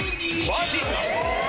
マジか！